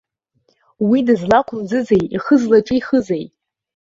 Уи дызлақәымӡызеи, ихы злаҿихызеи?